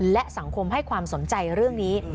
และสังคมให้ความสนใจเรื่องนี้